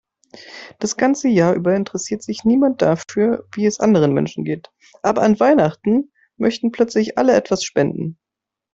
Das ganze Jahr über interessiert sich niemand dafür, wie es anderen Menschen geht, aber an Weihnachten möchten plötzlich alle etwas spenden.